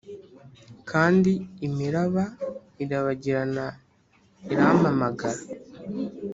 kandi imiraba irabagirana irampamagara